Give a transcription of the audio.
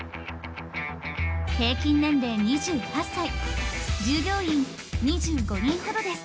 平均年齢２８歳従業員２５人ほどです。